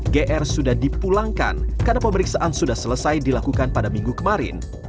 gr sudah dipulangkan karena pemeriksaan sudah selesai dilakukan pada minggu kemarin